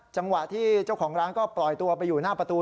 จังหวะที่เจ้าของร้านก็ปล่อยตัวไปอยู่หน้าประตู